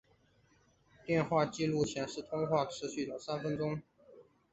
电话记录显示通话持续了三分钟。